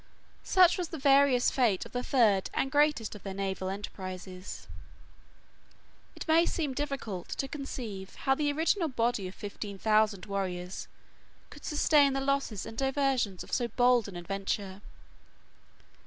126 Such was the various fate of this third and greatest of their naval enterprises. It may seem difficult to conceive how the original body of fifteen thousand warriors could sustain the losses and divisions of so bold an adventure.